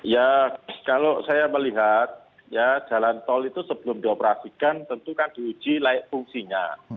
ya kalau saya melihat ya jalan tol itu sebelum dioperasikan tentu kan diuji layak fungsinya